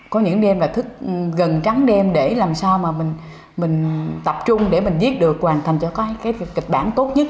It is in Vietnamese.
có những đêm là thức gần trắng đêm để làm sao mà mình tập trung để mình viết được hoàn thành cho cái kịch bản tốt nhất